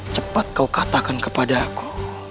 cepat kau katakan kepada aku